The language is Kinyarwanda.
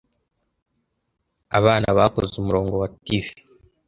Abana bakoze umurongo wa TV.